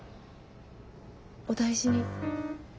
お大事に。